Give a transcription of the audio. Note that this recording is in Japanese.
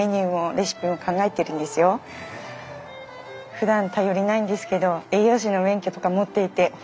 ふだん頼りないんですけど栄養士の免許とか持っていて本当はすごい人なんです。